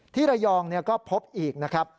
ที่ระยองก็พบอีกนะครับ